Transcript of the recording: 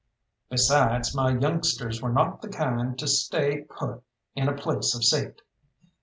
Besides, my youngsters were not the kind to stay put in a place of safety.